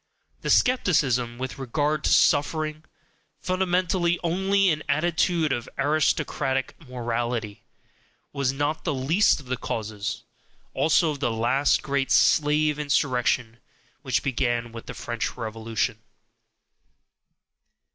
The skepticism with regard to suffering, fundamentally only an attitude of aristocratic morality, was not the least of the causes, also, of the last great slave insurrection which began with the French Revolution.